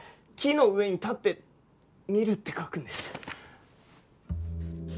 「木」の上に「立って」「見る」って書くんです。